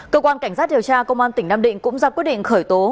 cơ quan cảnh sát điều tra công an tỉnh nam định cũng ra quyết định khởi tố